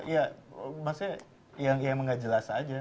ya maksudnya yang emang gak jelas aja